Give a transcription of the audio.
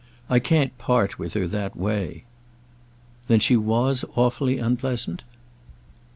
I can't part with her that way." "Then she was awfully unpleasant?"